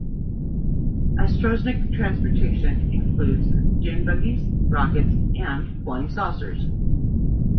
Astrosnik transportation includes dune buggies, rockets, and flying saucers.